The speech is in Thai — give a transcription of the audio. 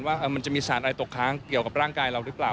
ว่ามันจะมีสารอะไรตกค้างเกี่ยวกับร่างกายเราหรือเปล่า